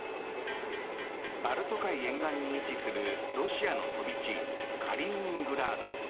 バルト海沿岸に位置するロシアの飛び地カリーニングラード。